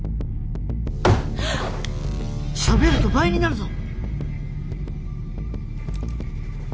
しゃべると倍になるぞ！